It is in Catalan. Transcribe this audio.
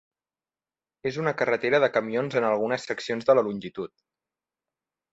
És una carretera de camions en algunes seccions de la longitud.